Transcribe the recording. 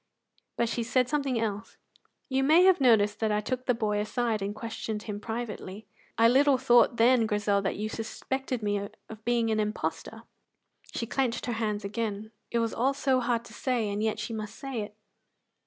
But she said something else: "You may have noticed that I took the boy aside and questioned him privately." "I little thought then, Grizel, that you suspected me of being an impostor." She clenched her hands again; it was all so hard to say, and yet she must say it!